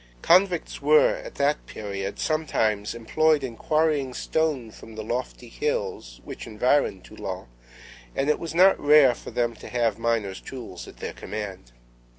Convicts were, at that period, sometimes employed in quarrying stone from the lofty hills which environ Toulon, and it was not rare for them to have miners' tools at their command.